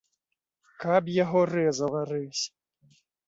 Каб яго рэзала рэзь!